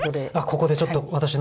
ここでちょっと私の。